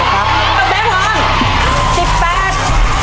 เป็นของสิบแปด